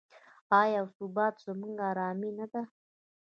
آیا او ثبات یې زموږ ارامي نه ده؟